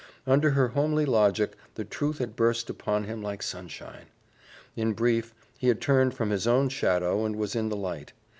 Under her homely logic, the truth had burst upon him like sunshine. In brief, he had turned from his own shadow and was in the light.